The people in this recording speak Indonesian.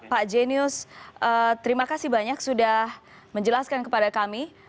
pak jenius terima kasih banyak sudah menjelaskan kepada kami